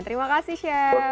terima kasih chef